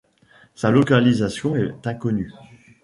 Sa localisation est inconnue.